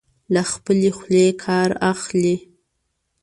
له خپلې خولې کار اخلي.